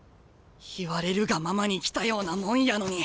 言われるがままに来たようなもんやのに。